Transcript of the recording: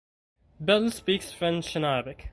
Bell speaks French and Arabic.